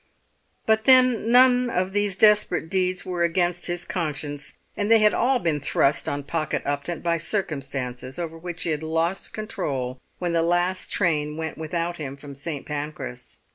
But then none of these desperate deeds were against his conscience, and they had all been thrust on Pocket Upton by circumstances over which he had lost control when the last train went without him from St. Pancras.